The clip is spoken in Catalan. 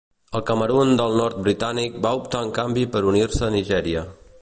El Camerun del nord britànic va optar en canvi per unir-se a Nigèria.